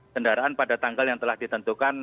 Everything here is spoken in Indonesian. kendaraan pada tanggal yang telah ditentukan